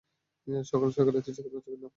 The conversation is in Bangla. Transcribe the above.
সকাল সকাল এতো চিৎকার করছো কেনো?